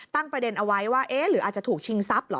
ประเด็นเอาไว้ว่าเอ๊ะหรืออาจจะถูกชิงทรัพย์เหรอ